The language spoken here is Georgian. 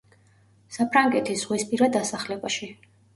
საფრანგეთის ზღვისპირა დასახლებაში.